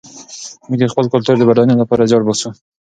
موږ د خپل کلتور د بډاینې لپاره زیار باسو.